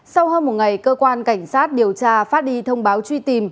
sau hơn một ngày cơ quan cảnh sát điều tra phát đi thông báo truy tìm